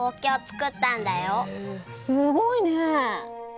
すごいね！